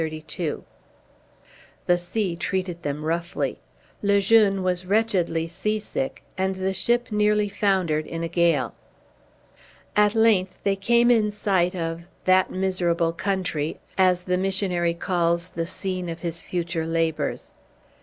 The sea treated them roughly; Le Jeune was wretchedly sea sick; and the ship nearly foundered in a gale. At length they came in sight of "that miserable country," as the missionary calls the scene of his future labors.